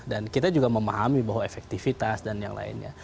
dan kita juga memahami bahwa efektivitas dan yang lainnya